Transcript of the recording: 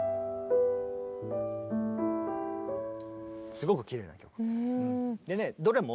すごくきれいな曲。